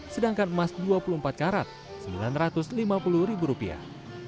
sedangkan emas dua puluh empat karat sembilan ratus lima puluh ribu rupiah